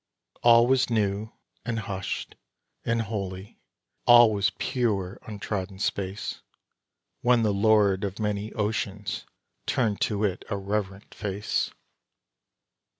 All was new, and hushed, and holy all was pure untrodden space, When the lord of many oceans turned to it a reverent face.